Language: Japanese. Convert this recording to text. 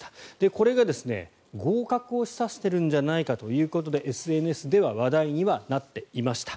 これが合格を示唆しているんじゃないかということでＳＮＳでは話題になっていました。